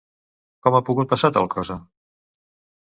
Com ha pogut passar tal cosa?